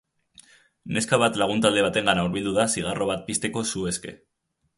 Neska bat lagun talde batengana hurbildu da zigarro bat pizteko su eske.